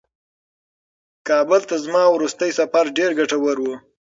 کابل ته زما وروستی سفر ډېر ګټور و.